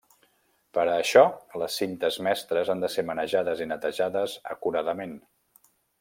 Per a això, les cintes mestres han de ser manejades i netejades acuradament.